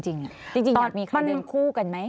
จริงอยากมีคนหนึ่งคู่กันไหม